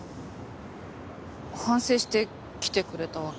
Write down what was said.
反省して来てくれたわけ？